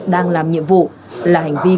đang làm nhiệm vụ là hành vi